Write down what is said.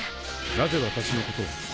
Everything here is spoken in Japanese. なぜ私のことを？